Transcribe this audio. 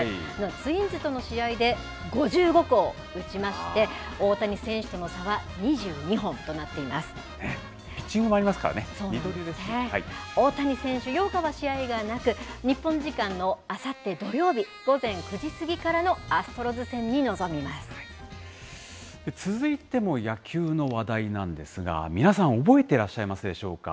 ツインズとの試合で５５号を打ちまして、大谷選手との差は２２本ピッチングもありますからね、大谷選手、８日は試合はなく、日本時間のあさって土曜日午前９時過ぎからのアストロズ戦に臨み続いても野球の話題なんですが、皆さん、覚えてらっしゃいますでしょうか。